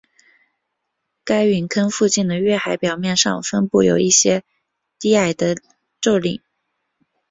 该陨坑附近的月海表面上分布有一些低矮的皱岭。